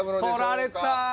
取られた！